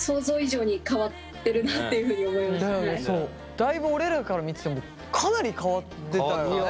だいぶ俺らから見ててもかなり変わってたよね。